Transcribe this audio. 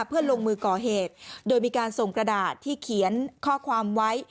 เพื่อลงมือก่อเหตุโดยมีการส่งกระดาษที่เขียนข้อความไว้